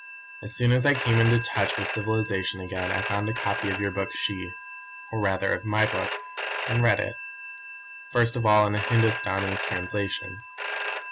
"As soon as I came into touch with civilization again I found a copy of your book She, or rather of my book, and read it first of all in a Hindostani translation.